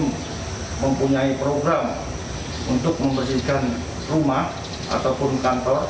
kami mempunyai program untuk membersihkan rumah ataupun kantor